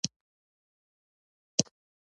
خو هغه وويل ته اوس ارام ته ضرورت لري.